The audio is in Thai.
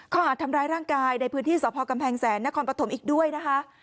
หาดทำร้ายร่างกายในพื้นที่สพกำแพงแสนนครปฐมอีกด้วยนะคะ